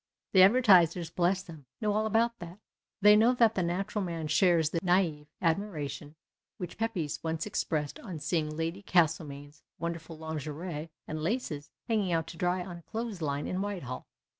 The advertisers, bless them, know all about that. They know that the natural man shares the naive admiration which Pcpys once expressed on seeing I.ady C'astlomaine's wonderful lingerie and laces hanging out to dry on a clothes line in Whitehall.